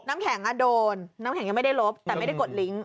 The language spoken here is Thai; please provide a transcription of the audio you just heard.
น้ำแข็งโดนน้ำแข็งยังไม่ได้ลบแต่ไม่ได้กดลิงค์